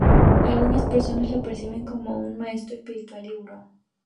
Algunas personas lo perciben como un maestro espiritual y gurú.